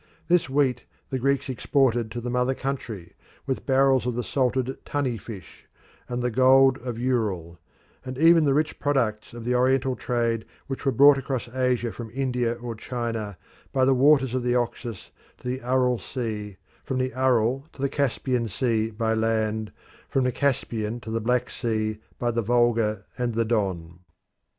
This wheat the Greeks exported to the mother country, with barrels of the salted tunny fish, and the gold of Ural, and even the rich products of the Oriental trade which were brought across Asia from India or China by the waters of the Oxus to the Aral Sea, from the Aral to the Caspian Sea by land, from the Caspian to the Black Sea by the Volga and the Don.